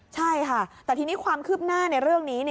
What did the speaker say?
ใช่ค่ะแต่ทีนี้ความคืบหน้าในเรื่องนี้